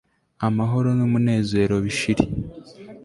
amahoro n'umunezero bishire